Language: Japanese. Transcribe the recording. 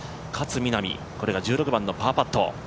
勝みなみ、これが１６番のパーパット。